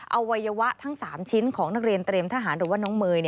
อวัยวะทั้ง๓ชิ้นของนักเรียนเตรียมทหารหรือว่าน้องเมย์